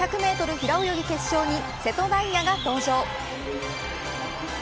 平泳ぎ決勝に瀬戸大也が登場。